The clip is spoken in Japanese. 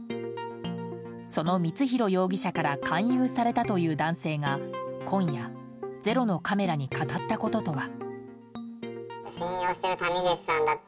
その光弘容疑者から勧誘されたという男性が今夜、「ｚｅｒｏ」のカメラに語ったこととは。